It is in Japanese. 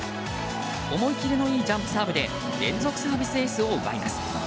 思い切りのいいジャンプサーブで連続サービスエースを奪います。